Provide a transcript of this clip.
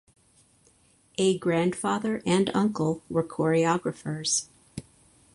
A grandfather and uncle were choreographers.